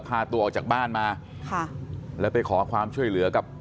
พาตัวออกจากบ้านมาค่ะแล้วไปขอความช่วยเหลือกับ